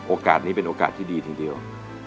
โอกาสนี้เป็นโอกาสที่ดีทีเดียว